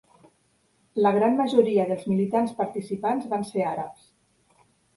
La gran majoria dels militants participants van ser àrabs.